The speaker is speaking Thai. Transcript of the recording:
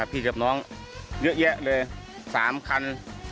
มาค่ะพี่เจิบน้องเยอะเลย๓คัน